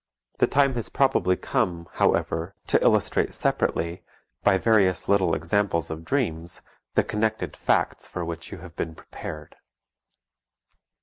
The time has probably come, however, to illustrate separately, by various little examples of dreams, the connected facts for which you have been prepared.